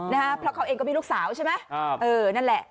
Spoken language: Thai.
นะฮะเพราะเขาเองก็มีลูกสาวใช่ไหมเออนั่นแหละ